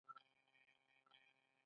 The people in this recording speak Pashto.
د دې خاورې هر ډبره تاریخ لري